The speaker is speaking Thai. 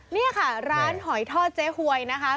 นี่ค่ะร้านหอยทอดเจ๊หวยนะคะ